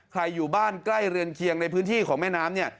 อยู่บ้านใกล้เรือนเคียงในพื้นที่ของแม่น้ำเนี่ย